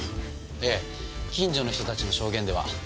ええ近所の人たちの証言では。